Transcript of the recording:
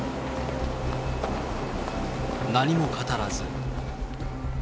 何も語らず。